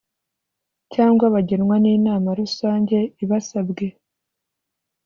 cyangwa bagenwa n inama rusange ibasabwe